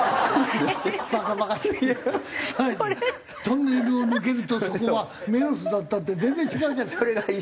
「トンネルを抜けるとそこはメロスだった」って全然違うじゃない。